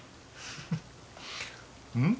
うん？